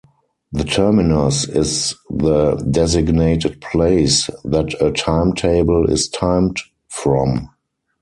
The terminus is the designated place that a timetable is timed from.